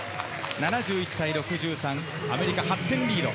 ７１対６３、アメリカ８点リード。